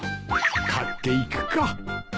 買っていくか。